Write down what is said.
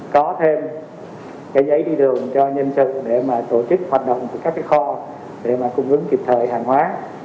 có thêm giấy đi đường cho nhân sự để tổ chức hoạt động của các kho để cung ứng kịp thời hàng hóa